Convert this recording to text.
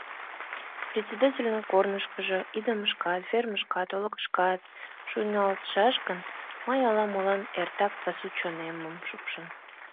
Председательын корныжо идымышкат, фермышкат, олыкышкат шуйналтшаш гын, мыйын ала-молан эртак пасу чонемым шупшын.